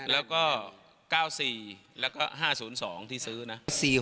๗๔๕และก็๙๔และก็๕๐๒ที่ซื้อนะ